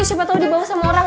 siapa tahu dibawa sama orang